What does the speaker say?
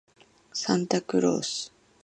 サンタクロース